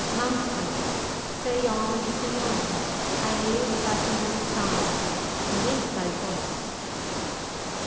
"MANFRED. Say on, say on I live but in the sound it is thy voice!